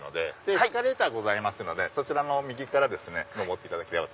エスカレーターございますのでその右から上っていただければ。